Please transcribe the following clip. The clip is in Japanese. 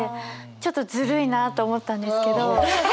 ちょっとずるいなあと思ったんですけど。